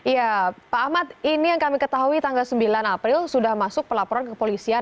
ya pak ahmad ini yang kami ketahui tanggal sembilan april sudah masuk pelaporan kepolisian